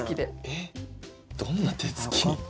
えっどんな手つき？